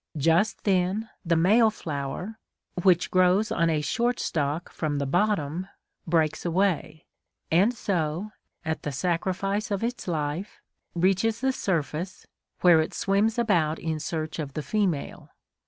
Just then the male flower, which grows on a short stalk from the bottom, breaks away, and so, at the sacrifice of its life, reaches the surface, where it swims about in search of the female.